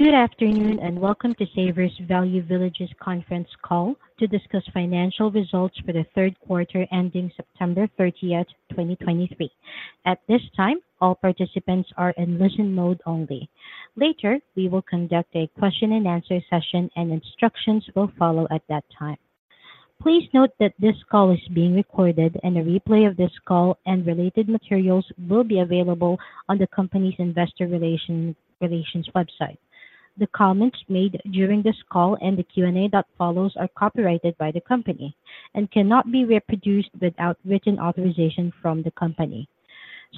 Good afternoon, and welcome to Savers Value Village's conference call to discuss financial results for the 3Q ending 30 September 2023. At this time, all participants are in listen-only mode. Later, we will conduct a question-and-answer session, and instructions will follow at that time. Please note that this call is being recorded, and a replay of this call and related materials will be available on the company's investor relations website. The comments made during this call and the Q&A that follows are copyrighted by the company and cannot be reproduced without written authorization from the company.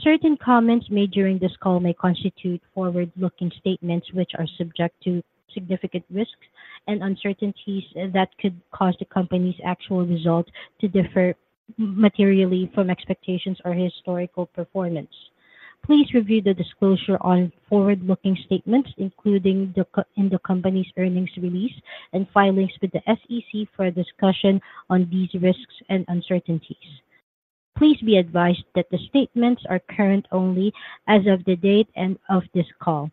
Certain comments made during this call may constitute forward-looking statements, which are subject to significant risks and uncertainties that could cause the company's actual results to differ materially from expectations or historical performance. Please review the disclosure on forward-looking statements, including the company's in the company's earnings release and filings with the SEC for a discussion on these risks and uncertainties. Please be advised that the statements are current only as of the date of this call.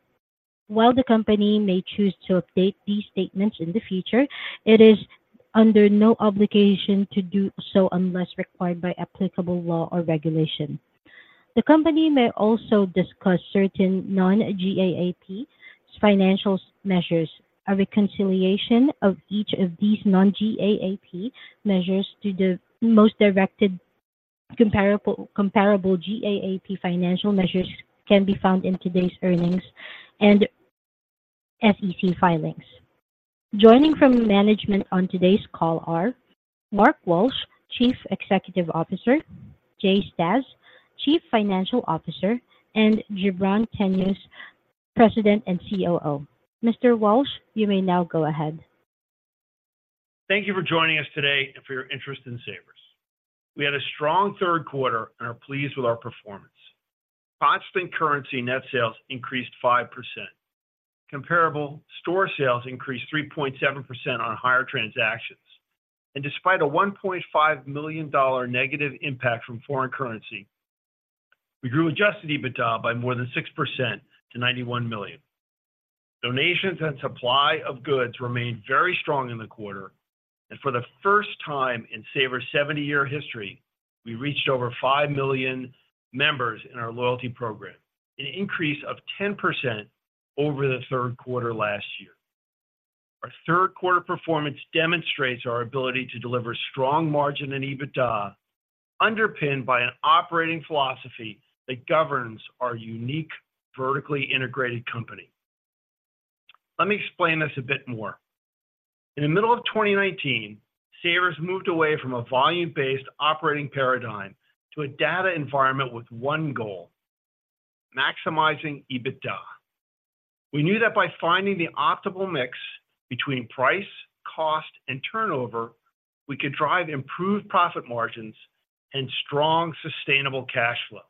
While the company may choose to update these statements in the future, it is under no obligation to do so unless required by applicable law or regulation. The company may also discuss certain non-GAAP financial measures. A reconciliation of each of these non-GAAP measures to the most directly comparable GAAP financial measures can be found in today's earnings and SEC filings. Joining from management on today's call are Mark Walsh, Chief Executive Officer, Jay Stasz, Chief Financial Officer, and Jubran Tanious, President and COO. Mr. Walsh, you may now go ahead. Thank you for joining us today and for your interest in Savers. We had a strong 3Q and are pleased with our performance. Constant currency net sales increased 5%. Comparable store sales increased 3.7% on higher transactions, and despite a $1.5 million negative impact from foreign currency, we grew Adjusted EBITDA by more than 6% to $91 million. Donations and supply of goods remained very strong in the quarter, and for the first time in Savers' 70-year history, we reached over 5 million members in our loyalty program, an increase of 10% over the 3Q last year. Our 3Q performance demonstrates our ability to deliver strong margin and EBITDA, underpinned by an operating philosophy that governs our unique, vertically integrated company. Let me explain this a bit more. In the middle of 2019, Savers moved away from a volume-based operating paradigm to a data environment with one goal: maximizing EBITDA. We knew that by finding the optimal mix between price, cost, and turnover, we could drive improved profit margins and strong, sustainable cash flow.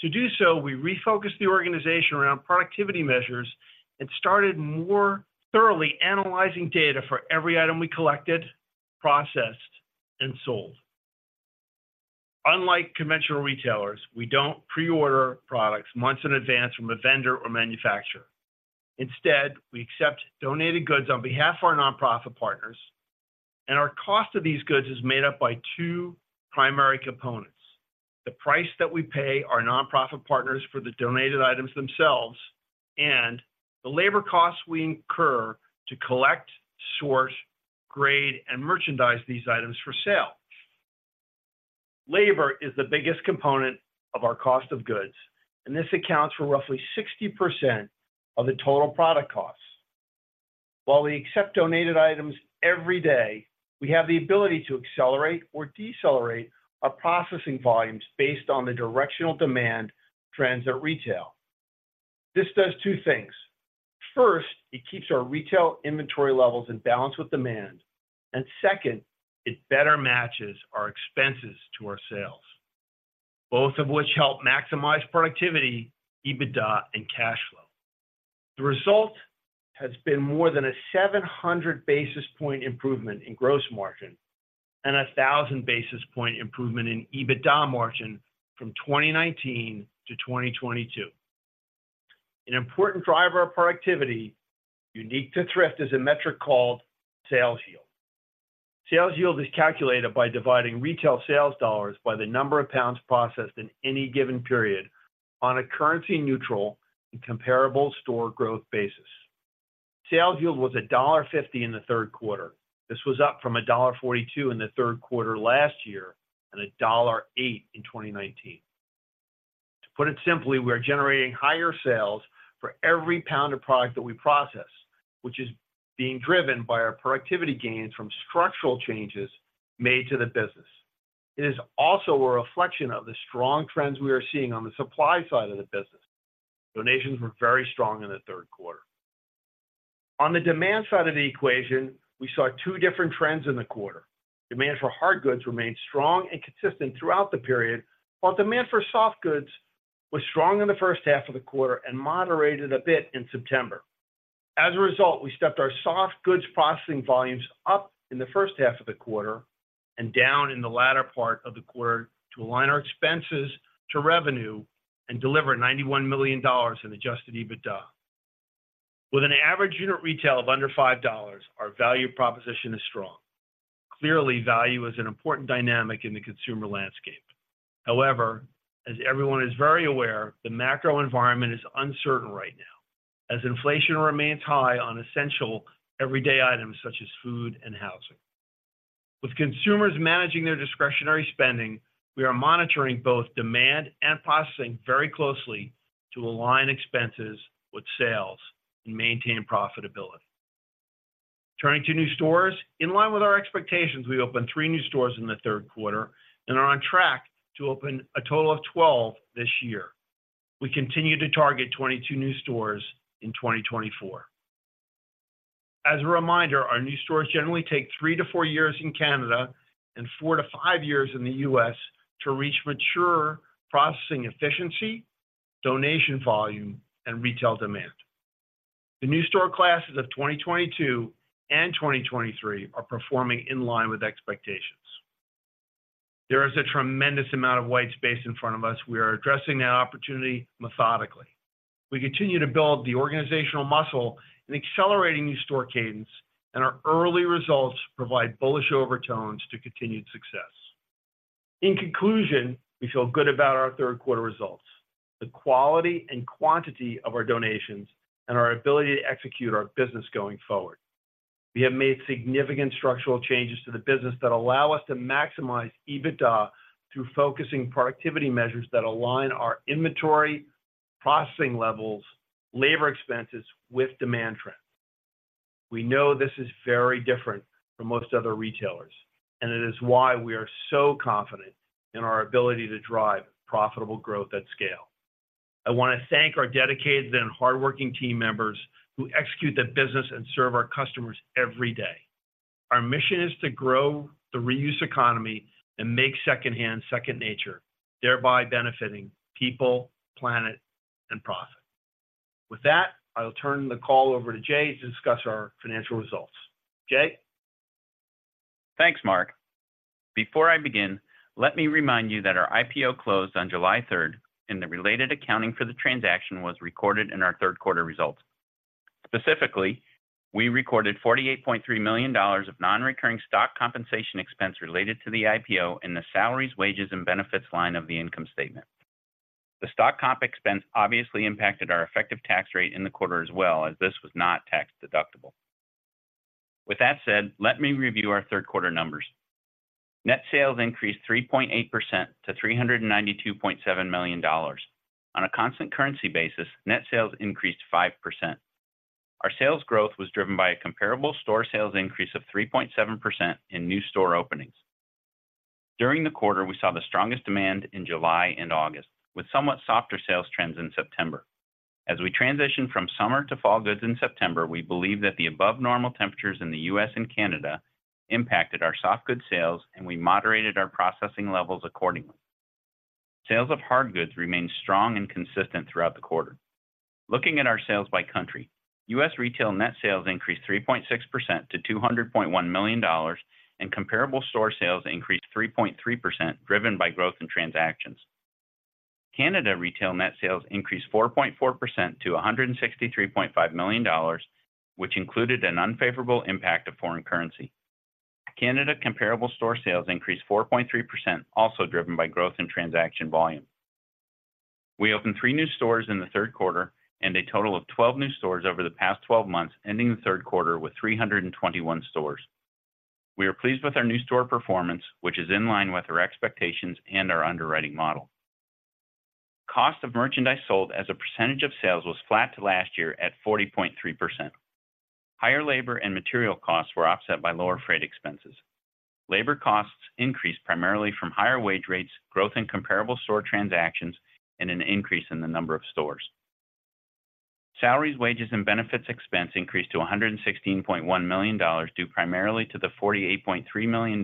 To do so, we refocused the organization around productivity measures and started more thoroughly analyzing data for every item we collected, processed, and sold. Unlike conventional retailers, we don't pre-order products months in advance from a vendor or manufacturer. Instead, we accept donated goods on behalf of our nonprofit partners, and our cost of these goods is made up by two primary components: the price that we pay our nonprofit partners for the donated items themselves and the labor costs we incur to collect, source, grade, and merchandise these items for sale. Labor is the biggest component of our cost of goods, and this accounts for roughly 60% of the total product costs. While we accept donated items every day, we have the ability to accelerate or decelerate our processing volumes based on the directional demand trends at retail. This does two things. First, it keeps our retail inventory levels in balance with demand, and second, it better matches our expenses to our sales, both of which help maximize productivity, EBITDA, and cash flow. The result has been more than a 700 basis point improvement in gross margin and a 1,000 basis point improvement in EBITDA margin from 2019 to 2022. An important driver of productivity, unique to thrift, is a metric called Sales Yield. Sales yield is calculated by dividing retail sales dollars by the number of pounds processed in any given period on a currency-neutral and comparable store growth basis. Sales yield was $1.50 in the 3Q. This was up from $1.42 in the 3Q last year, and $1.08 in 2019. To put it simply, we are generating higher sales for every pound of product that we process, which is being driven by our productivity gains from structural changes made to the business. It is also a reflection of the strong trends we are seeing on the supply side of the business. Donations were very strong in the 3Q. On the demand side of the equation, we saw two different trends in the quarter. Demand for hard goods remained strong and consistent throughout the period, while demand for soft goods was strong in the H1 of the quarter and moderated a bit in September. As a result, we stepped our soft goods processing volumes up in the H1 of the quarter and down in the latter part of the quarter to align our expenses to revenue and deliver $91 million in adjusted EBITDA. With an average unit retail of under $5, our value proposition is strong. Clearly, value is an important dynamic in the consumer landscape. However, as everyone is very aware, the macro environment is uncertain right now, as inflation remains high on essential everyday items, such as food and housing. With consumers managing their discretionary spending, we are monitoring both demand and processing very closely to align expenses with sales and maintain profitability. Turning to new stores, in line with our expectations, we opened 3 new stores in the 3Q and are on track to open a total of 12 this year. We continue to target 22 new stores in 2024. As a reminder, our new stores generally take 3-4 years in Canada and 4-5 years in the U.S. to reach mature processing efficiency, donation volume, and retail demand. The new store classes of 2022 and 2023 are performing in line with expectations. There is a tremendous amount of white space in front of us. We are addressing that opportunity methodically. We continue to build the organizational muscle in accelerating new store cadence, and our early results provide bullish overtones to continued success. In conclusion, we feel good about our 3Q results, the quality and quantity of our donations, and our ability to execute our business going forward. We have made significant structural changes to the business that allow us to maximize EBITDA through focusing productivity measures that align our inventory, processing levels, labor expenses with demand trends. We know this is very different from most other retailers, and it is why we are so confident in our ability to drive profitable growth at scale. I want to thank our dedicated and hardworking team members who execute the business and serve our customers every day. Our mission is to grow the reuse economy and make secondhand second nature, thereby benefiting people, planet, and profit. With that, I will turn the call over to Jay to discuss our financial results. Jay? Thanks, Mark. Before I begin, let me remind you that our IPO closed on 3 July, and the related accounting for the transaction was recorded in our 3Q results. Specifically, we recorded $48.3 million of non-recurring stock compensation expense related to the IPO in the salaries, wages, and benefits line of the income statement. The stock comp expense obviously impacted our effective tax rate in the quarter as well, as this was not tax-deductible. With that said, let me review our 3Q numbers. Net sales increased 3.8% - $392.7 million. On a constant currency basis, net sales increased 5%. Our sales growth was driven by a comparable store sales increase of 3.7% in new store openings. During the quarter, we saw the strongest demand in July and August, with somewhat softer sales trends in September. As we transitioned from summer to fall goods in September, we believe that the above-normal temperatures in the U.S. and Canada impacted our soft goods sales, and we moderated our processing levels accordingly. Sales of hard goods remained strong and consistent throughout the quarter. Looking at our sales by country, U.S. retail net sales increased 3.6% - $200.1 million, and comparable store sales increased 3.3%, driven by growth in transactions. Canada retail net sales increased 4.4% to $163.5 million, which included an unfavorable impact of foreign currency. Canada comparable store sales increased 4.3%, also driven by growth in transaction volume. We opened 3 new stores in the 3Q and a total of 12 new stores over the past 12 months, ending the 3Q with 321 stores. We are pleased with our new store performance, which is in line with our expectations and our underwriting model. Cost of merchandise sold as a percentage of sales was flat to last year at 40.3%. Higher labor and material costs were offset by lower freight expenses. Labor costs increased primarily from higher wage rates, growth in comparable store transactions, and an increase in the number of stores. Salaries, wages, and benefits expense increased to $116.1 million, due primarily to the $48.3 million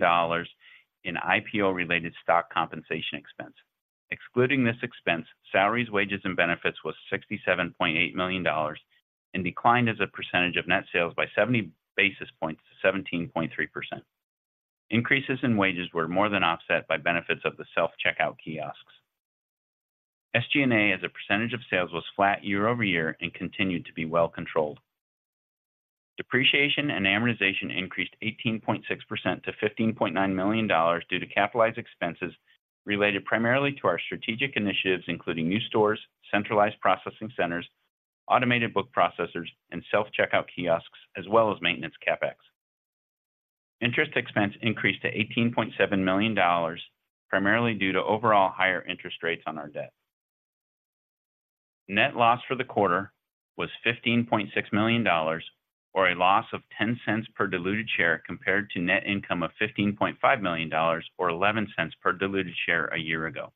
in IPO-related stock compensation expense. Excluding this expense, salaries, wages, and benefits was $67.8 million and declined as a percentage of net sales by 70 basis points to 17.3%. Increases in wages were more than offset by benefits of the self-checkout kiosks. SG&A, as a percentage of sales, was flat year-over-year and continued to be well controlled. Depreciation and amortization increased 18.6% - $15.9 million due to capitalized expenses related primarily to our strategic initiatives, including new stores, centralized processing centers, automated book processors, and self-checkout kiosks, as well as maintenance CapEx. Interest expense increased to $18.7 million, primarily due to overall higher interest rates on our debt. Net loss for the quarter was $15.6 million, or a loss of $0.10 per diluted share, compared to net income of $15.5 million or $0.11 per diluted share a year ago.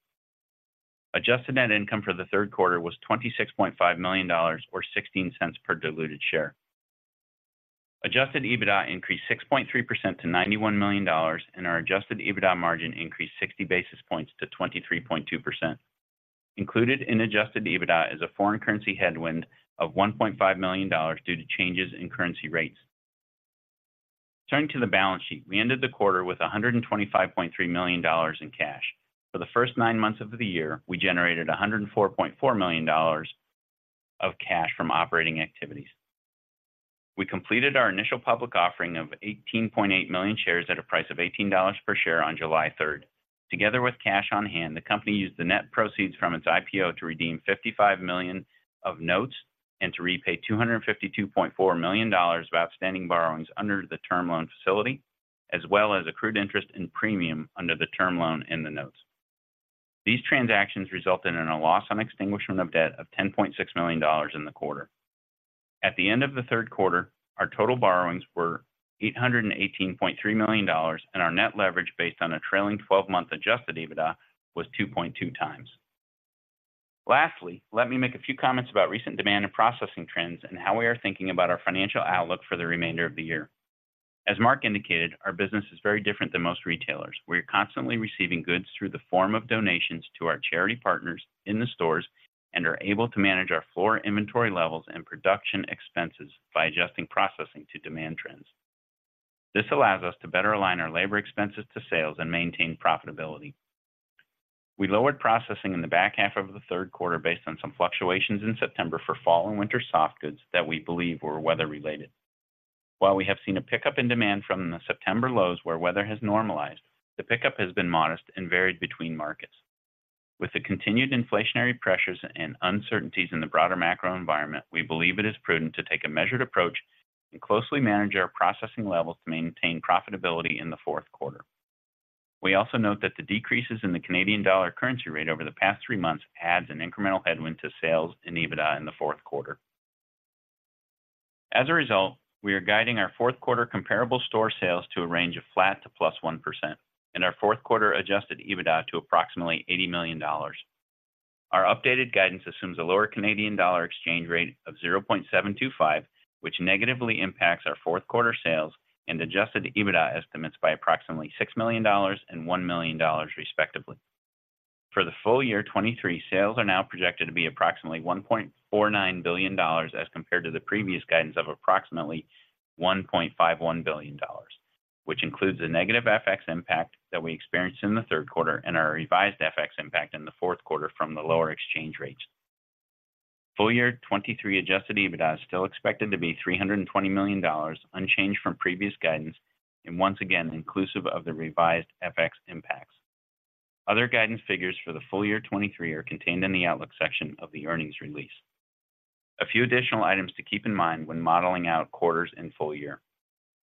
Adjusted net income for the 3Q was $26.5 million or $0.16 per diluted share. Adjusted EBITDA increased 6.3% - $91 million, and our adjusted EBITDA margin increased 60 basis points to 23.2%. Included in adjusted EBITDA is a foreign currency headwind of $1.5 million due to changes in currency rates. Turning to the balance sheet, we ended the quarter with $125.3 million in cash. For the first nine months of the year, we generated $104.4 million of cash from operating activities. We completed our initial public offering of 18.8 million shares at a price of $18 per share on 3 July. Together with cash on hand, the company used the net proceeds from its IPO to redeem $55 million of notes and to repay $252.4 million of outstanding borrowings under the term loan facility, as well as accrued interest and premium under the term loan in the notes. These transactions resulted in a loss on extinguishment of debt of $10.6 million in the quarter. At the end of the 3Q, our total borrowings were $818.3 million, and our net leverage, based on a trailing twelve-month Adjusted EBITDA, was 2.2x. Lastly, let me make a few comments about recent demand and processing trends and how we are thinking about our financial outlook for the remainder of the year. As Mark indicated, our business is very different than most retailers. We are constantly receiving goods through the form of donations to our charity partners in the stores and are able to manage our floor inventory levels and production expenses by adjusting processing to demand trends. This allows us to better align our labor expenses to sales and maintain profitability. We lowered processing in the back half of the 3Q based on some fluctuations in September for fall and winter soft goods that we believe were weather-related. While we have seen a pickup in demand from the September lows where weather has normalized, the pickup has been modest and varied between markets. With the continued inflationary pressures and uncertainties in the broader macro environment, we believe it is prudent to take a measured approach and closely manage our processing levels to maintain profitability in the fourth quarter. We also note that the decreases in the Canadian dollar currency rate over the past three months adds an incremental headwind to sales and EBITDA in the fourth quarter. As a result, we are guiding our fourth quarter comparable store sales to a range of flat to +1% and our fourth quarter adjusted EBITDA to approximately $80 million. Our updated guidance assumes a lower Canadian dollar exchange rate of 0.725, which negatively impacts our fourth quarter sales and adjusted EBITDA estimates by approximately $6 million and $1 million, respectively. For the full year 2023 sales are now projected to be approximately $1.49 billion, as compared to the previous guidance of approximately $1.51 billion, which includes the negative FX impact that we experienced in the 3Q and our revised FX impact in the fourth quarter from the lower exchange rates. Full year 2023 Adjusted EBITDA is still expected to be $320 million, unchanged from previous guidance and once again inclusive of the revised FX impacts. Other guidance figures for the full year 2023 are contained in the outlook section of the earnings release. A few additional items to keep in mind when modeling out quarters in full year.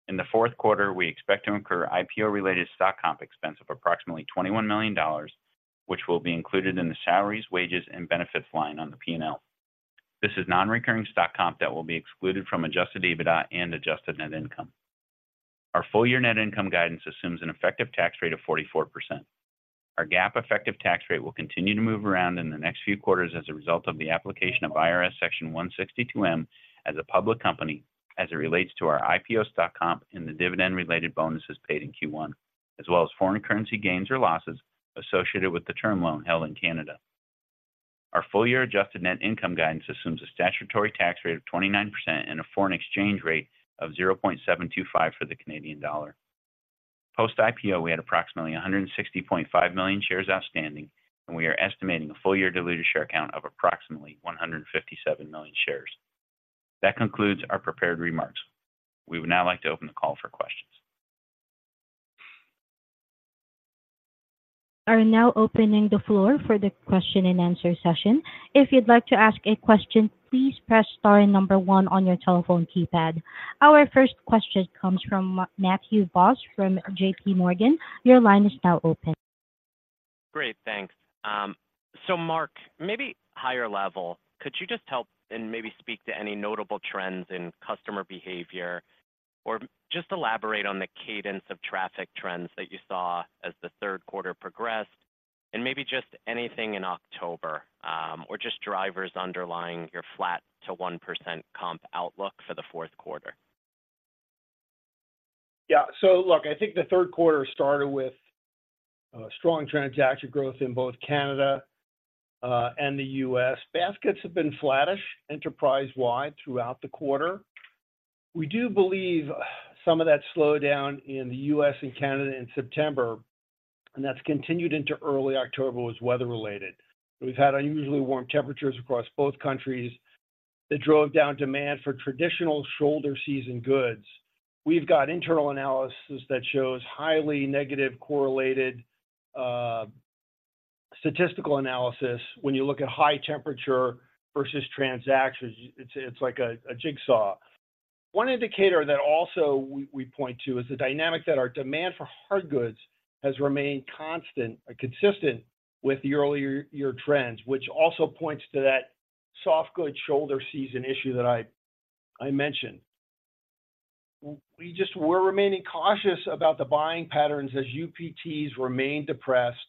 In the fourth quarter, we expect to incur IPO-related stock comp expense of approximately $21 million, which will be included in the salaries, wages, and benefits line on the P&L. This is non-recurring stock comp that will be excluded from adjusted EBITDA and adjusted net income. Our full-year net income guidance assumes an effective tax rate of 44%. Our GAAP effective tax rate will continue to move around in the next few quarters as a result of the application of IRS Section 162(m) as a public company, as it relates to our IPO stock comp and the dividend-related bonuses paid in Q1, as well as foreign currency gains or losses associated with the term loan held in Canada. Our full-year adjusted net income guidance assumes a statutory tax rate of 29% and a foreign exchange rate of 0.725 for the Canadian dollar. Post-IPO, we had approximately 160.5 million shares outstanding, and we are estimating a full-year diluted share count of approximately 157 million shares. That concludes our prepared remarks. We would now like to open the call for questions. We are now opening the floor for the question and answer session. If you'd like to ask a question, please press star and number one on your telephone keypad. Our first question comes from Matthew Boss, from JPMorgan. Your line is now open. Great, thanks. So Mark, maybe higher level, could you just help and maybe speak to any notable trends in customer behavior, or just elaborate on the cadence of traffic trends that you saw as the 3Q progressed, and maybe just anything in October, or just drivers underlying your flat to 1% comp outlook for the fourth quarter? Yeah. So look, I think the 3Q started with strong transaction growth in both Canada and the U.S.. Baskets have been flattish enterprise-wide throughout the quarter. We do believe some of that slowdown in the U.S. and Canada in September, and that's continued into early October, was weather-related. We've had unusually warm temperatures across both countries that drove down demand for traditional shoulder season goods. We've got internal analysis that shows highly negative correlated statistical analysis when you look at high temperature versus transactions. It's like a jigsaw. One indicator that also we point to is the dynamic that our demand for hard goods has remained constant consistent with the earlier year trends, which also points to that soft good shoulder season issue that I mentioned. We just... We're remaining cautious about the buying patterns as UPTs remain depressed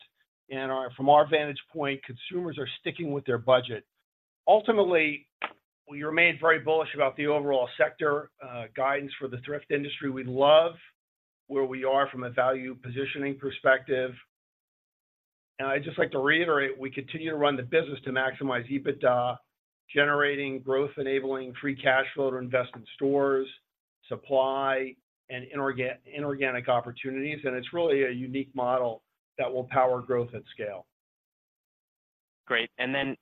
and from our vantage point, consumers are sticking with their budget. Ultimately... ... we remain very bullish about the overall sector, guidance for the thrift industry. We love where we are from a value positioning perspective. And I'd just like to reiterate, we continue to run the business to maximize EBITDA, generating growth, enabling free cash flow to invest in stores, supply, and inorganic opportunities. And it's really a unique model that will power growth at scale. Great. And then,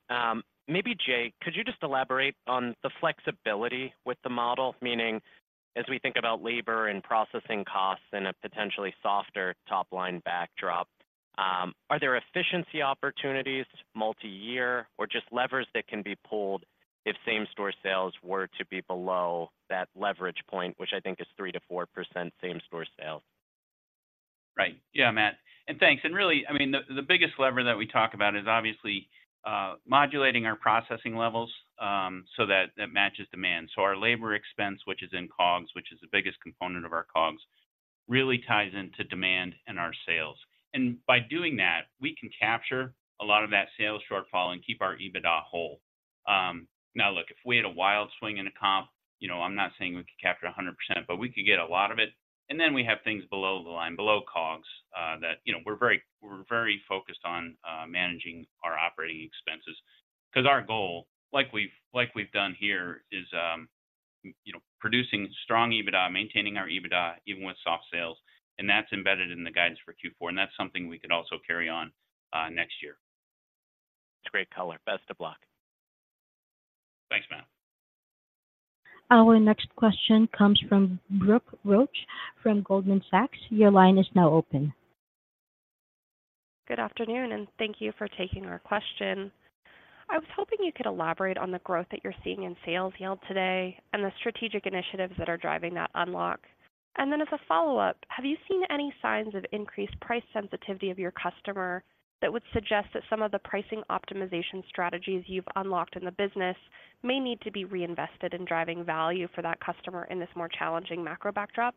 maybe Jay, could you just elaborate on the flexibility with the model? Meaning, as we think about labor and processing costs in a potentially softer top-line backdrop, are there efficiency opportunities, multi-year, or just levers that can be pulled if same-store sales were to be below that leverage point, which I think is 3%-4% same-store sales? Right. Yeah, Matt, and thanks. And really, I mean, the biggest lever that we talk about is obviously modulating our processing levels so that it matches demand. So our labor expense, which is in COGS, which is the biggest component of our COGS, really ties into demand and our sales. And by doing that, we can capture a lot of that sales shortfall and keep our EBITDA whole. Now, look, if we had a wild swing in a comp, you know, I'm not saying we could capture 100%, but we could get a lot of it. And then we have things below the line, below COGS, that, you know, we're very focused on managing our operating expenses. Cause our goal, like we've done here, is, you know, producing strong EBITDA, maintaining our EBITDA, even with soft sales, and that's embedded in the guidance for Q4, and that's something we could also carry on next year. It's a great color. Best of luck. Thanks, Matt. Our next question comes from Brooke Roach from Goldman Sachs. Your line is now open. Good afternoon, and thank you for taking our question. I was hoping you could elaborate on the growth that you're seeing in Sales yield today and the strategic initiatives that are driving that unlock. And then as a follow-up, have you seen any signs of increased price sensitivity of your customer that would suggest that some of the pricing optimization strategies you've unlocked in the business may need to be reinvested in driving value for that customer in this more challenging macro backdrop?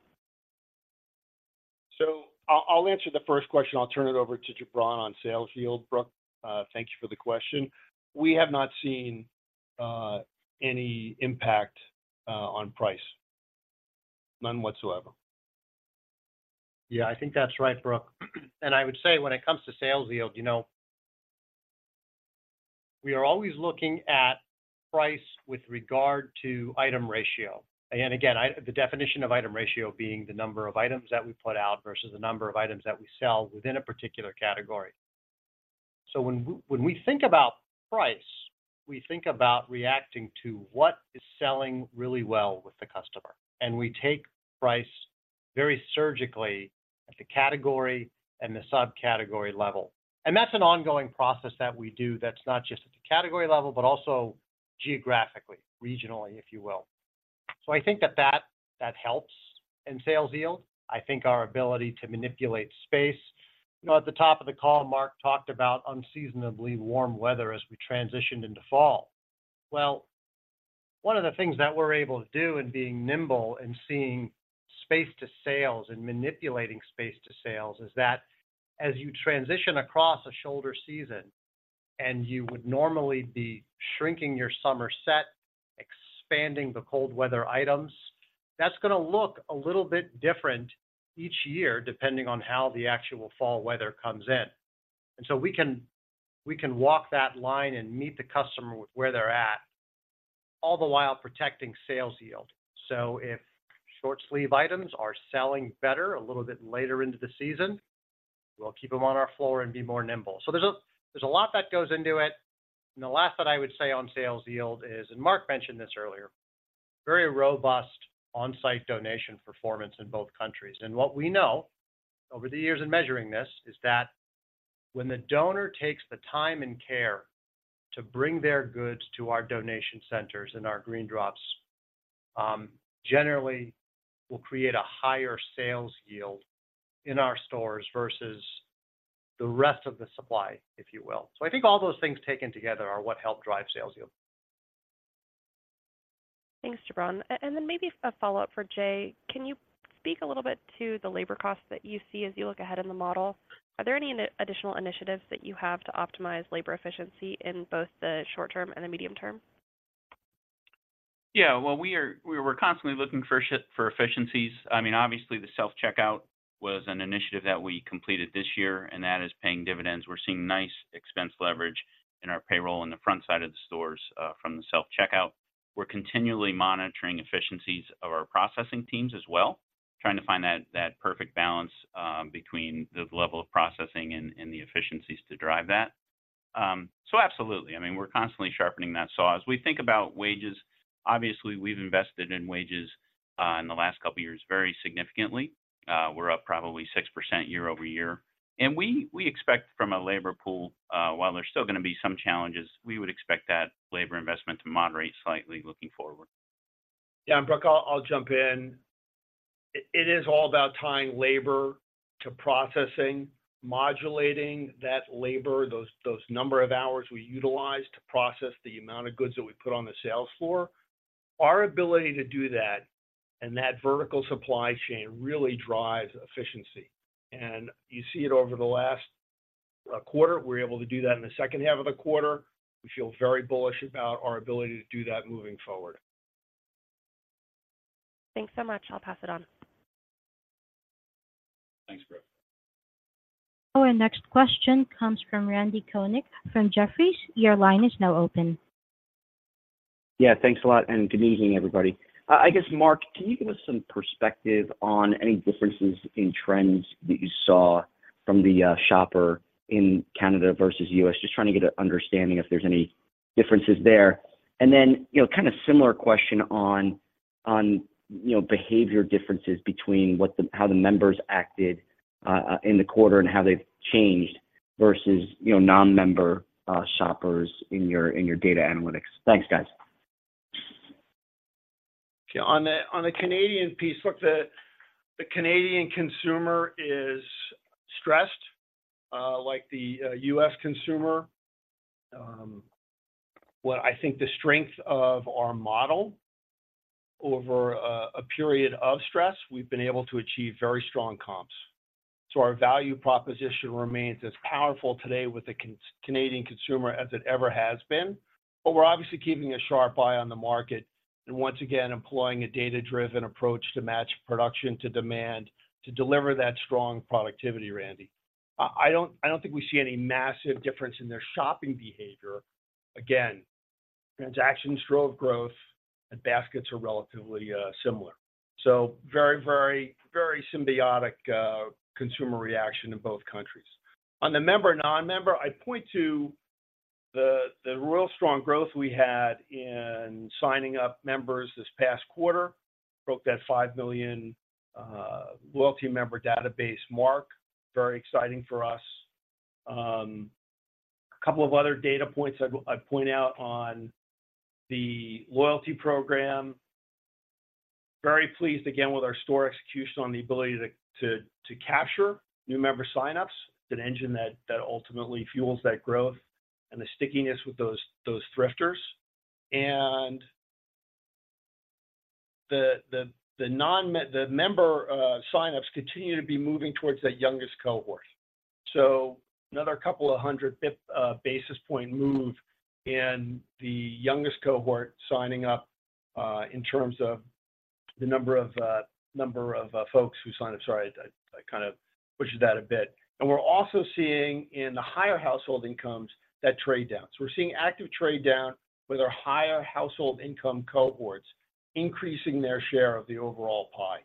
I'll answer the first question. I'll turn it over to Jubran on sales yield, Brooke. Thank you for the question. We have not seen any impact on price. None whatsoever. Yeah, I think that's right, Brooke. And I would say when it comes to sales yield, you know, we are always looking at price with regard to item ratio. And again, the definition of item ratio being the number of items that we put out versus the number of items that we sell within a particular category. So when we think about price, we think about reacting to what is selling really well with the customer, and we take price very surgically at the category and the subcategory level. And that's an ongoing process that we do that's not just at the category level, but also geographically, regionally, if you will. So I think that helps in sales yield. I think our ability to manipulate space. You know, at the top of the call, Mark talked about unseasonably warm weather as we transitioned into fall. Well, one of the things that we're able to do in being nimble and seeing space to sales and manipulating space to sales is that as you transition across a shoulder season, and you would normally be shrinking your summer set, expanding the cold weather items, that's gonna look a little bit different each year, depending on how the actual fall weather comes in. And so we can, we can walk that line and meet the customer where they're at, all the while protecting sales yield. So if short-sleeve items are selling better a little bit later into the season, we'll keep them on our floor and be more nimble. So there's a, there's a lot that goes into it. And the last that I would say on sales yield is, and Mark mentioned this earlier, very robust on-site donation performance in both countries. What we know over the years in measuring this is that when the donor takes the time and care to bring their goods to our donation centers and our GreenDrops, generally will create a higher Sales Yield in our stores versus the rest of the supply, if you will. I think all those things taken together are what help drive Sales Yield. Thanks, Jubran. And then maybe a follow-up for Jay. Can you speak a little bit to the labor costs that you see as you look ahead in the model? Are there any additional initiatives that you have to optimize labor efficiency in both the short term and the medium term? Yeah, well, we were constantly looking for efficiencies. I mean, obviously, the self-checkout was an initiative that we completed this year, and that is paying dividends. We're seeing nice expense leverage in our payroll in the front side of the stores from the self-checkout. We're continually monitoring efficiencies of our processing teams as well, trying to find that perfect balance between the level of processing and the efficiencies to drive that. So absolutely. I mean, we're constantly sharpening that saw. As we think about wages, obviously, we've invested in wages in the last couple of years, very significantly. We're up probably 6% year-over-year. And we expect from a labor pool, while there's still gonna be some challenges, we would expect that labor investment to moderate slightly looking forward. Yeah, and Brooke, I'll jump in. It is all about tying labor to processing, modulating that labor, those number of hours we utilize to process the amount of goods that we put on the sales floor. Our ability to do that and that vertical supply chain really drives efficiency. And you see it over the last quarter. We're able to do that in the H2 of the quarter. We feel very bullish about our ability to do that moving forward. Thanks so much. I'll pass it on. Thanks, Brooke. Our next question comes from Randal Konik from Jefferies. Your line is now open. Yeah, thanks a lot, and good evening, everybody. I guess, Mark, can you give us some perspective on any differences in trends that you saw from the shopper in Canada versus U.S.? Just trying to get an understanding if there's any differences there. And then, you know, kind of similar question on, you know, behavior differences between what the, how the members acted in the quarter and how they've changed versus, you know, non-member shoppers in your data analytics. Thanks, guys. Okay. On the, on the Canadian piece, look, the, the Canadian consumer is stressed, like the, U.S. consumer. Well, I think the strength of our model over, a period of stress, we've been able to achieve very strong comps. So our value proposition remains as powerful today with the Canadian consumer as it ever has been. But we're obviously keeping a sharp eye on the market and once again, employing a data-driven approach to match production to demand, to deliver that strong productivity, Randal. I don't think we see any massive difference in their shopping behavior. Again, transactions drove growth, and baskets are relatively, similar. So very, very, very symbiotic, consumer reaction in both countries. On the member, non-member, I'd point to the, the real strong growth we had in signing up members this past quarter. Broke that 5 million loyalty member database mark. Very exciting for us. A couple of other data points I'd point out on the loyalty program. Very pleased, again, with our store execution on the ability to capture new member signups, an engine that ultimately fuels that growth and the stickiness with those thrifters. And the non-me- the member signups continue to be moving towards that youngest cohort. So another couple of hundred basis point move in the youngest cohort signing up, in terms of the number of folks who signed up. Sorry, I kind of pushed that a bit. And we're also seeing in the higher household incomes, that trade down. So we're seeing active trade down with our higher household income cohorts, increasing their share of the overall pie.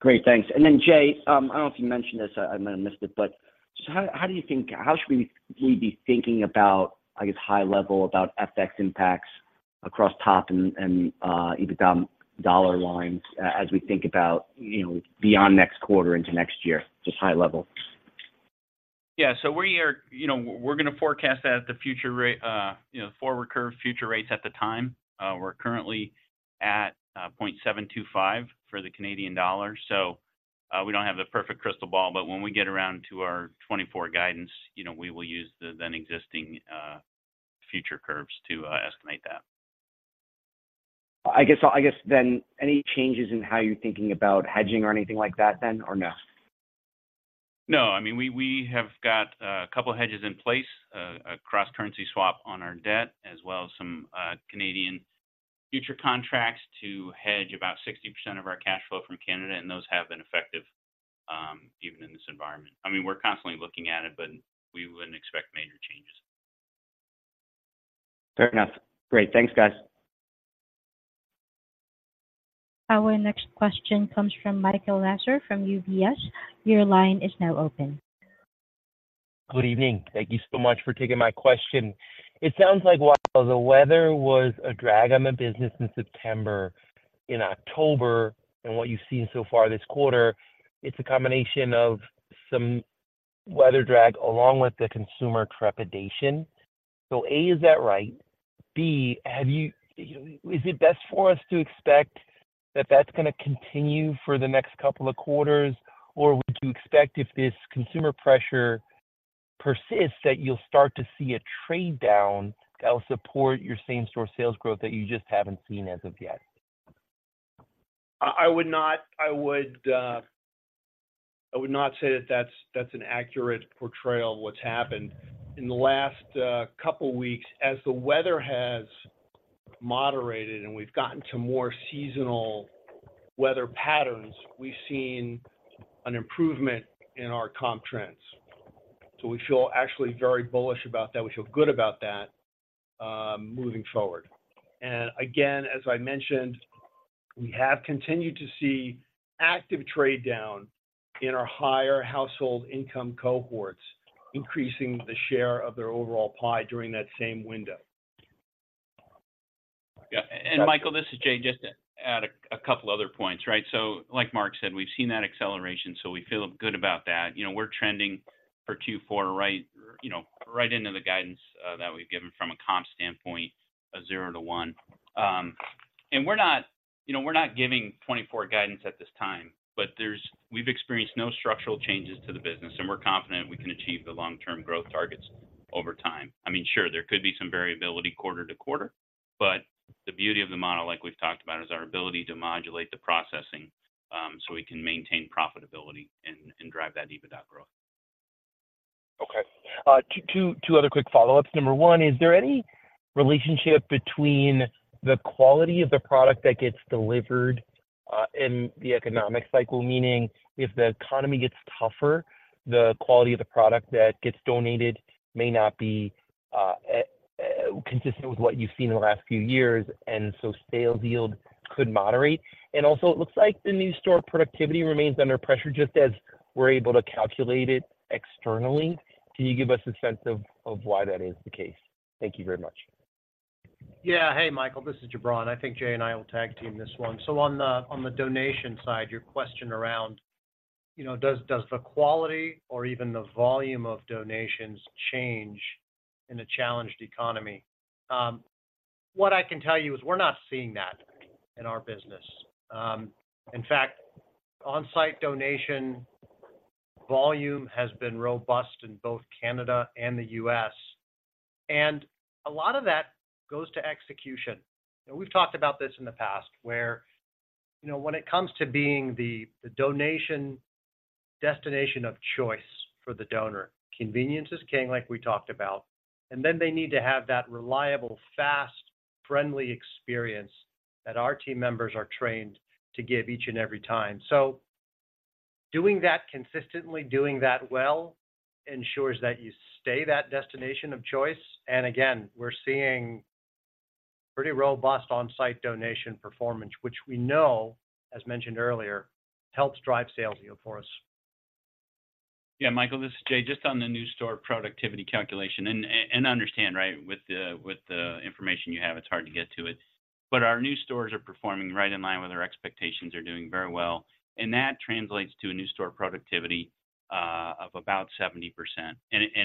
Great, thanks. And then, Jay, I don't know if you mentioned this, I might have missed it, but just how do you think, how should we be thinking about, I guess, high level about FX impacts across top and EBITDA dollar lines as we think about, you know, beyond next quarter into next year? Just high level. Yeah. So we are... You know, we're gonna forecast that at the future forward curve future rates at the time. We're currently at 0.725 for the Canadian dollar, so we don't have the perfect crystal ball, but when we get around to our 2024 guidance, you know, we will use the then existing future curves to estimate that. I guess, then, any changes in how you're thinking about hedging or anything like that, then, or no? No. I mean, we, we have got a couple hedges in place, a cross-currency swap on our debt, as well as some, Canadian futures contracts to hedge about 60% of our cash flow from Canada, and those have been effective, even in this environment. I mean, we're constantly looking at it, but we wouldn't expect major changes. Fair enough. Great. Thanks, guys. Our next question comes from Michael Lasser from UBS. Your line is now open. Good evening. Thank you so much for taking my question. It sounds like while the weather was a drag on the business in September, in October, and what you've seen so far this quarter, it's a combination of some weather drag along with the consumer trepidation. So A, is that right? B, is it best for us to expect that that's gonna continue for the next couple of quarters, or would you expect if this consumer pressure persists, that you'll start to see a trade-down that will support your same-store sales growth that you just haven't seen as of yet? I would not say that that's an accurate portrayal of what's happened. In the last couple weeks, as the weather has moderated and we've gotten to more seasonal weather patterns, we've seen an improvement in our comp trends. So we feel actually very bullish about that. We feel good about that, moving forward. And again, as I mentioned, we have continued to see active trade down in our higher household income cohorts, increasing the share of their overall pie during that same window. Yeah. Michael, this is Jay, just to add a couple other points, right? So like Mark said, we've seen that acceleration, so we feel good about that. You know, we're trending for 2.4, right, you know, right into the guidance that we've given from a comp standpoint, 0%-1%. And we're not, you know, we're not giving 2024 guidance at this time, but there is. We've experienced no structural changes to the business, and we're confident we can achieve the long-term growth targets over time. I mean, sure, there could be some variability quarter to quarter. But the beauty of the model, like we've talked about, is our ability to modulate the processing, so we can maintain profitability and drive that EBITDA growth. Okay. 2 other quick follow-ups. Number 1, is there any relationship between the quality of the product that gets delivered in the economic cycle? Meaning, if the economy gets tougher, the quality of the product that gets donated may not be consistent with what you've seen in the last few years, and so sales yield could moderate. Also, it looks like the new store productivity remains under pressure, just as we're able to calculate it externally. Can you give us a sense of why that is the case? Thank you very much. Yeah. Hey, Michael, this is Jubran. I think Jay and I will tag team this one. So on the donation side, your question around, you know, does the quality or even the volume of donations change in a challenged economy? What I can tell you is we're not seeing that in our business. In fact, on-site donation volume has been robust in both Canada and the U.S., and a lot of that goes to execution. And we've talked about this in the past, where, you know, when it comes to being the donation destination of choice for the donor, convenience is king, like we talked about. And then they need to have that reliable, fast, friendly experience that our team members are trained to give each and every time. So doing that consistently, doing that well ensures that you stay that destination of choice. Again, we're seeing pretty robust on-site donation performance, which we know, as mentioned earlier, helps drive sales yield for us. Yeah, Michael, this is Jay. Just on the new store productivity calculation, and understand, right, with the information you have, it's hard to get to it. But our new stores are performing right in line with our expectations, are doing very well, and that translates to a new store productivity of about 70%. And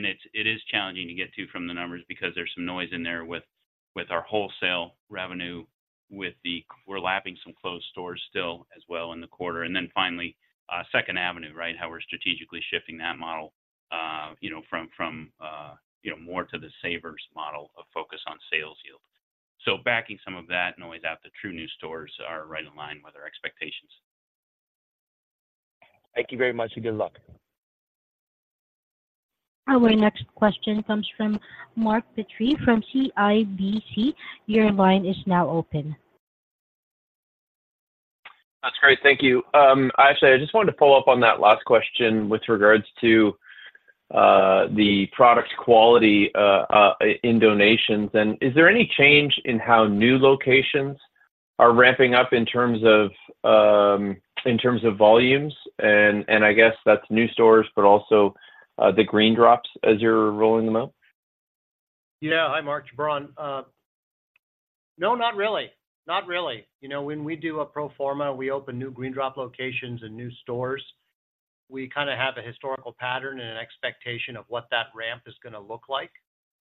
it's challenging to get to from the numbers because there's some noise in there with our wholesale revenue. We're lapping some closed stores still as well in the quarter. And then finally, Second Avenue, right, how we're strategically shifting that model, you know, from more to the Savers model of focus on sales yield. So backing some of that noise out, the true new stores are right in line with our expectations. Thank you very much, and good luck. Our next question comes from Mark Petrie from CIBC. Your line is now open. That's great. Thank you. Actually, I just wanted to follow up on that last question with regards to the product quality in donations. And is there any change in how new locations are ramping up in terms of volumes? And I guess that's new stores, but also the GreenDrops as you're rolling them out. Yeah. Hi, Mark, Jubran. No, not really. Not really. You know, when we do a pro forma, we open new GreenDrop locations and new stores, we kinda have a historical pattern and an expectation of what that ramp is gonna look like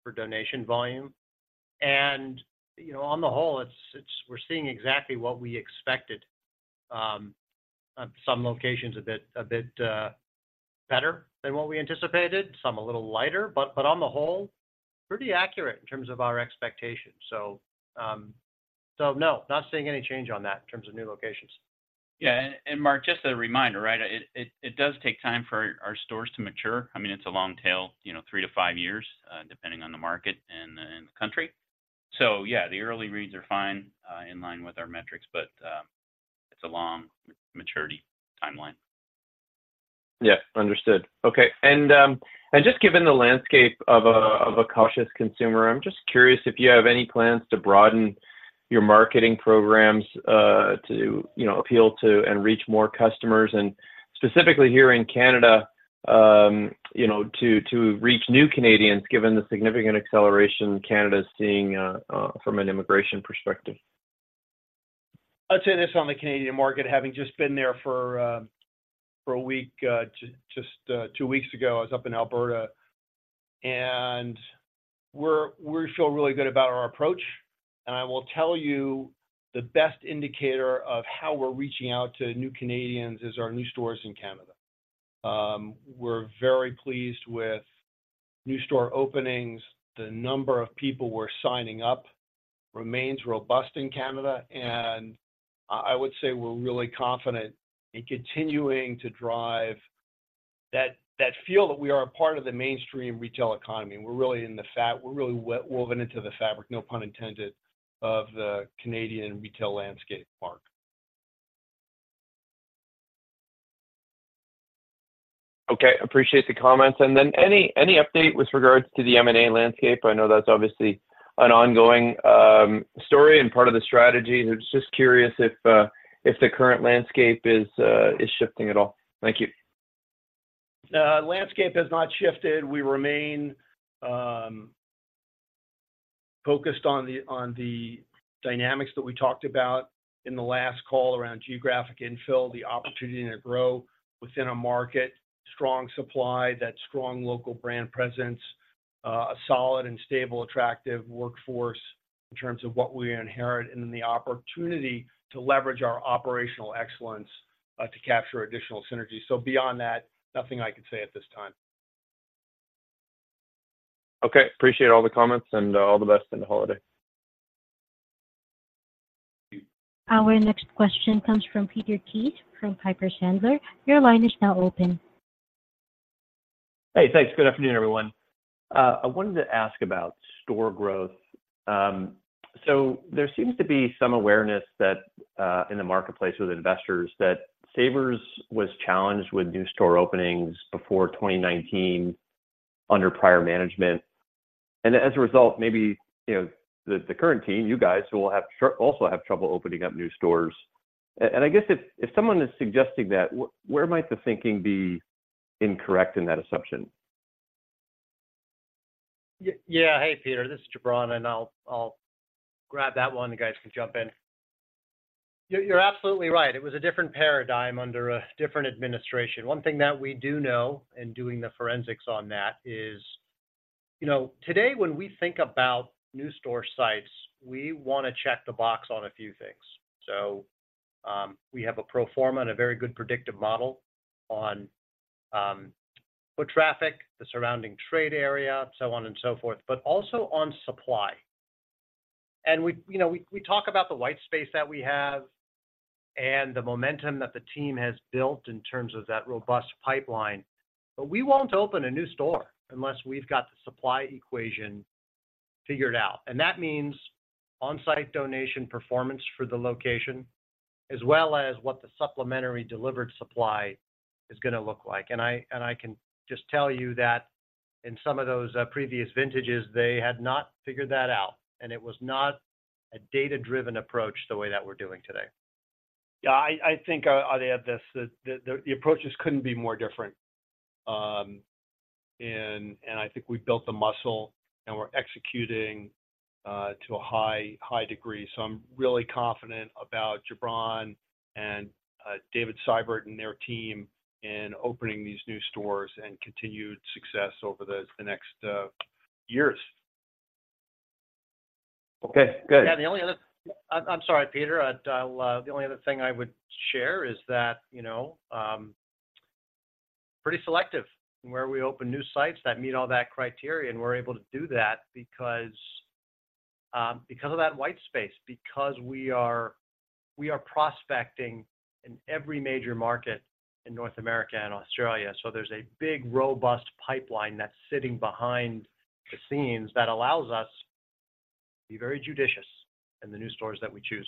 for donation volume. And, you know, on the whole, it's, it's-- we're seeing exactly what we expected. On some locations a bit, a bit better than what we anticipated, some a little lighter, but, but on the whole, pretty accurate in terms of our expectations. So, so no, not seeing any change on that in terms of new locations. Yeah, and Mark, just a reminder, right? It does take time for our stores to mature. I mean, it's a long tail, you know, 3-5 years, depending on the market and the country. So yeah, the early reads are fine, in line with our metrics, but it's a long maturity timeline. Yeah, understood. Okay. And just given the landscape of a cautious consumer, I'm just curious if you have any plans to broaden your marketing programs, to, you know, appeal to and reach more customers, and specifically here in Canada, you know, to reach new Canadians, given the significant acceleration Canada is seeing, from an immigration perspective? I'd say this on the Canadian market, having just been there for a week, just two weeks ago, I was up in Alberta, and we're, we feel really good about our approach. And I will tell you, the best indicator of how we're reaching out to new Canadians is our new stores in Canada. We're very pleased with new store openings. The number of people we're signing up remains robust in Canada, and I would say we're really confident in continuing to drive that feel that we are a part of the mainstream retail economy. We're really woven into the fabric, no pun intended, of the Canadian retail landscape, Mark. Okay, appreciate the comments. And then any update with regards to the M&A landscape? I know that's obviously an ongoing story and part of the strategy. I'm just curious if the current landscape is shifting at all. Thank you. Landscape has not shifted. We remain focused on the dynamics that we talked about in the last call around geographic infill, the opportunity to grow within a market, strong supply, that strong local brand presence, a solid and stable, attractive workforce in terms of what we inherit, and then the opportunity to leverage our operational excellence to capture additional synergies. So beyond that, nothing I could say at this time. ... Okay, appreciate all the comments, and all the best in the holiday. Our next question comes from Peter Keith from Piper Sandler. Your line is now open. Hey, thanks. Good afternoon, everyone. I wanted to ask about store growth. So there seems to be some awareness that in the marketplace with investors, that Savers was challenged with new store openings before 2019 under prior management. And as a result, maybe, you know, the current team, you guys, will also have trouble opening up new stores. And I guess if someone is suggesting that, where might the thinking be incorrect in that assumption? Yeah. Hey, Peter, this is Jubran, and I'll grab that one. You guys can jump in. You're absolutely right. It was a different paradigm under a different administration. One thing that we do know in doing the forensics on that is, you know, today, when we think about new store sites, we want to check the box on a few things. So, we have a pro forma and a very good predictive model on foot traffic, the surrounding trade area, so on and so forth, but also on supply. And we, you know, we talk about the white space that we have and the momentum that the team has built in terms of that robust pipeline, but we won't open a new store unless we've got the supply equation figured out. And that means on-site donation performance for the location, as well as what the supplementary delivered supply is gonna look like. And I can just tell you that in some of those previous vintages, they had not figured that out, and it was not a data-driven approach the way that we're doing today. Yeah, I think I'll add this, that the approaches couldn't be more different. And I think we built the muscle, and we're executing to a high, high degree. So I'm really confident about Jubran and David Sibert and their team in opening these new stores and continued success over the next years. Okay, good. Yeah, I'm sorry, Peter. The only other thing I would share is that, you know, pretty selective in where we open new sites that meet all that criteria, and we're able to do that because of that white space. Because we are prospecting in every major market in North America and Australia. So there's a big, robust pipeline that's sitting behind the scenes that allows us to be very judicious in the new stores that we choose.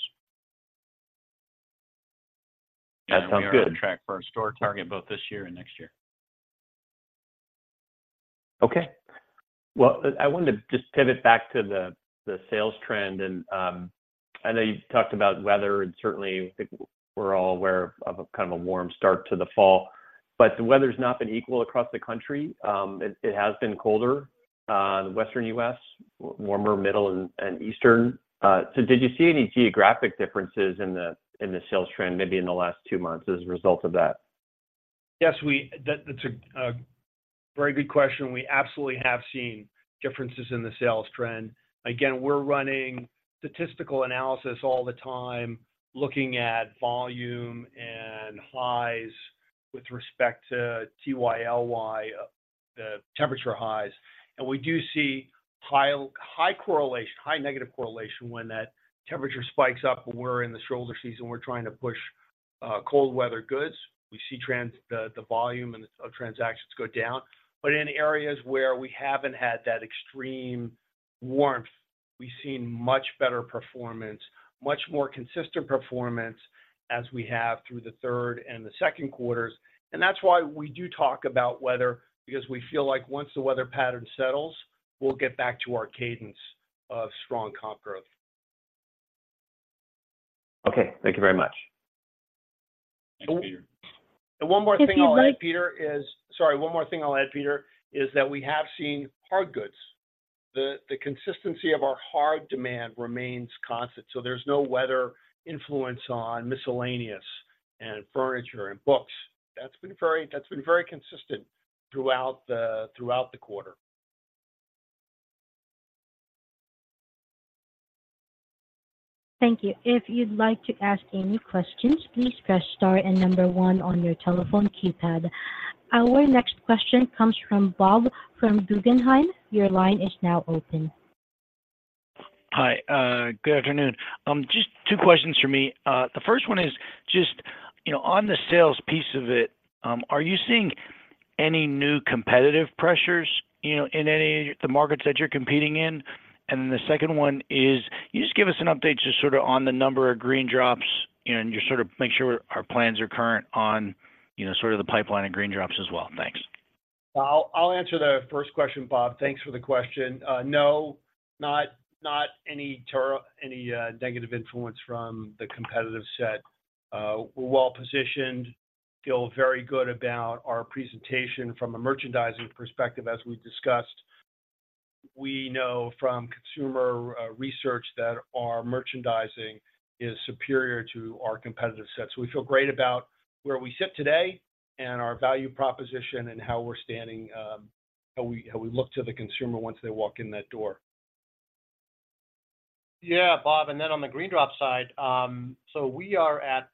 That sounds good. We are on track for our store target both this year and next year. Okay. Well, I wanted to just pivot back to the sales trend, and I know you talked about weather, and certainly, I think we're all aware of a kind of a warm start to the fall. But the weather's not been equal across the country. It has been colder in the Western U.S., warmer, middle, and eastern. So did you see any geographic differences in the sales trend, maybe in the last two months as a result of that? Yes, that's a very good question. We absolutely have seen differences in the sales trend. Again, we're running statistical analysis all the time, looking at volume and highs with respect to TYLY, the temperature highs. And we do see high, high correlation, high negative correlation when that temperature spikes up when we're in the shoulder season, we're trying to push cold weather goods. We see the volume of transactions go down. But in areas where we haven't had that extreme warmth, we've seen much better performance, much more consistent performance as we have through the third and the second quarters. And that's why we do talk about weather, because we feel like once the weather pattern settles, we'll get back to our cadence of strong comp growth. Okay, thank you very much. Thanks, Peter. One more thing I'll add, Peter, is- If you'd like- Sorry. One more thing I'll add, Peter, is that we have seen hard goods. The consistency of our hard demand remains constant, so there's no weather influence on miscellaneous and furniture and books. That's been very consistent throughout the quarter. Thank you. If you'd like to ask any questions, please press star and number one on your telephone keypad. Our next question comes from Bob, from Guggenheim. Your line is now open. Hi, good afternoon. Just two questions for me. The first one is just, you know, on the sales piece of it, are you seeing any new competitive pressures, you know, in any of the markets that you're competing in? And then the second one is, can you just give us an update, just sort of on the number of GreenDrops, and just sort of make sure our plans are current on, you know, sort of the pipeline of GreenDrops as well. Thanks. I'll answer the first question, Bob. Thanks for the question. No, not any negative influence from the competitive set. We're well positioned, feel very good about our presentation from a merchandising perspective, as we discussed. We know from consumer research that our merchandising is superior to our competitive set. So we feel great about where we sit today and our value proposition and how we're standing, how we look to the consumer once they walk in that door. Yeah, Bob, and then on the GreenDrop side, so we are at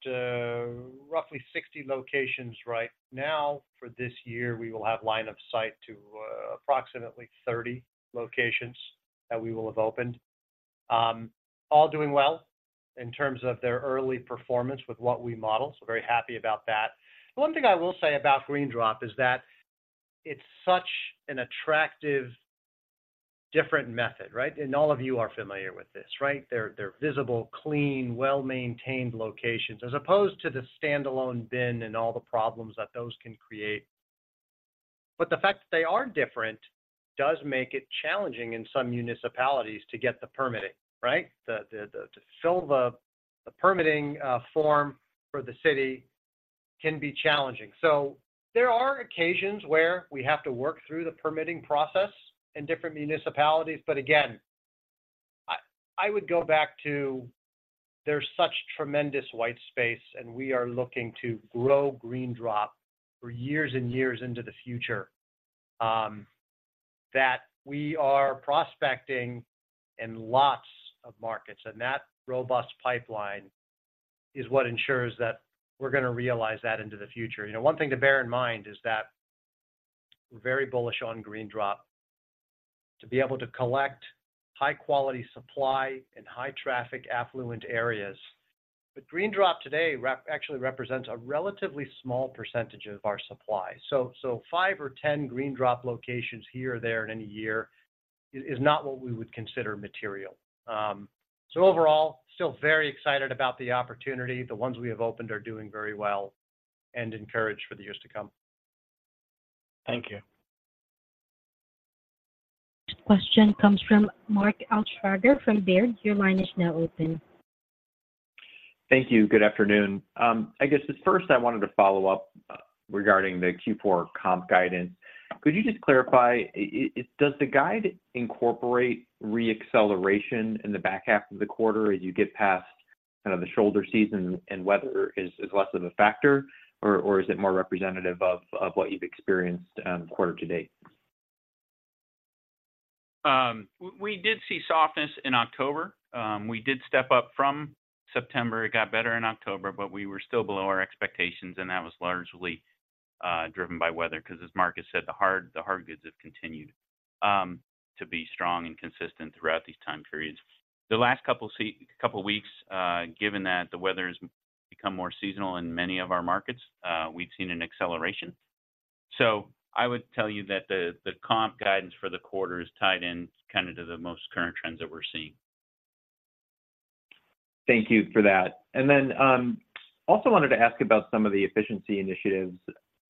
roughly 60 locations right now. For this year, we will have line of sight to approximately 30 locations that we will have opened. All doing well in terms of their early performance with what we model, so very happy about that. One thing I will say about GreenDrop is that it's such an attractive, different method, right? And all of you are familiar with this, right? They're visible, clean, well-maintained locations, as opposed to the standalone bin and all the problems that those can create. But the fact that they are different does make it challenging in some municipalities to get the permitting, right? To fill the permitting form for the city can be challenging. So there are occasions where we have to work through the permitting process in different municipalities, but again, I would go back to, there's such tremendous white space, and we are looking to grow GreenDrop for years and years into the future, that we are prospecting in lots of markets. And that robust pipeline is what ensures that we're gonna realize that into the future. You know, one thing to bear in mind is that we're very bullish on GreenDrop to be able to collect high-quality supply in high-traffic, affluent areas. But GreenDrop today actually represents a relatively small percentage of our supply. So, 5 or 10 GreenDrop locations here or there in a year is not what we would consider material. So overall, still very excited about the opportunity. The ones we have opened are doing very well and encouraged for the years to come. Thank you. Question comes from Mark Altschwager from Baird. Your line is now open. Thank you. Good afternoon. I guess just first, I wanted to follow up, regarding the Q4 comp guidance. Could you just clarify, does the guide incorporate reacceleration in the back half of the quarter as you get past kind of the shoulder season and weather is less of a factor? Or, is it more representative of what you've experienced, quarter to date? We did see softness in October. We did step up from September. It got better in October, but we were still below our expectations, and that was largely driven by weather. Because as Marcus said, the hard goods have continued to be strong and consistent throughout these time periods. The last couple weeks, given that the weather has become more seasonal in many of our markets, we've seen an acceleration. So I would tell you that the comp guidance for the quarter is tied in kind of to the most current trends that we're seeing. Thank you for that. And then, also wanted to ask about some of the efficiency initiatives.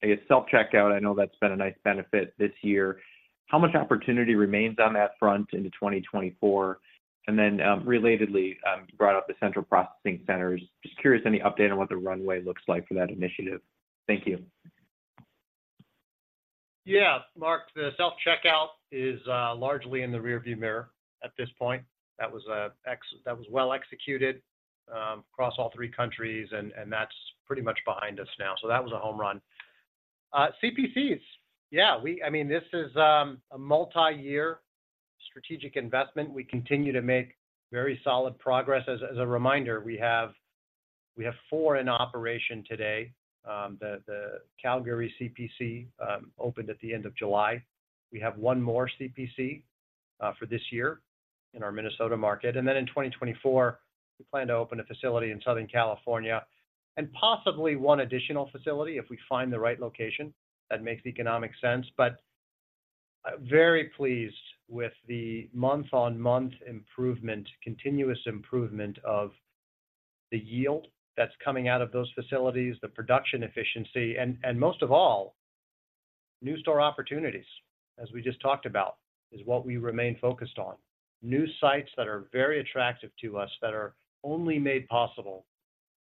I guess, self-checkout, I know that's been a nice benefit this year. How much opportunity remains on that front into 2024? And then, relatedly, you brought up the central processing centers. Just curious, any update on what the runway looks like for that initiative? Thank you. Yeah, Mark, the self-checkout is largely in the rearview mirror at this point. That was well executed across all three countries, and that's pretty much behind us now. So that was a home run. CPCs, yeah, I mean, this is a multiyear strategic investment. We continue to make very solid progress. As a reminder, we have 4 in operation today. The Calgary CPC opened at the end of July. We have 1 more CPC for this year in our Minnesota market. And then in 2024, we plan to open a facility in Southern California, and possibly 1 additional facility, if we find the right location that makes economic sense. But very pleased with the month-on-month improvement, continuous improvement of the yield that's coming out of those facilities, the production efficiency, and most of all, new store opportunities, as we just talked about, is what we remain focused on. New sites that are very attractive to us, that are only made possible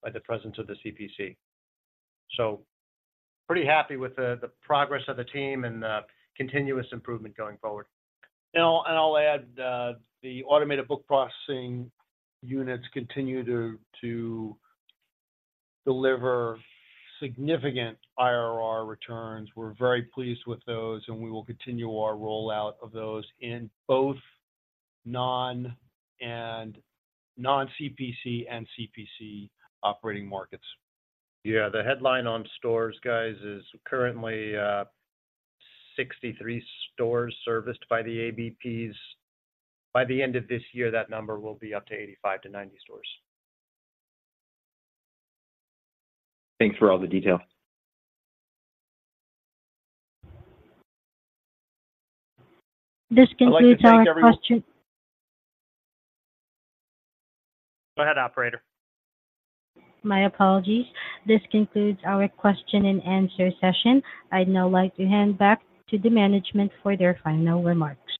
by the presence of the CPC. So pretty happy with the progress of the team and the continuous improvement going forward. And I'll add, the automated book processing units continue to deliver significant IRR returns. We're very pleased with those, and we will continue our rollout of those in both non-CPC and CPC operating markets. Yeah, the headline on stores, guys, is currently, 63 stores serviced by the ABPs. By the end of this year, that number will be up to 85-90 stores. Thanks for all the details. This concludes our question- Go ahead, operator. My apologies. This concludes our question and answer session. I'd now like to hand back to the management for their final remarks.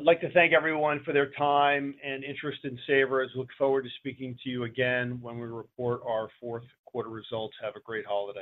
I'd like to thank everyone for their time and interest in Savers. Look forward to speaking to you again when we report our 4Q results. Have a great holiday.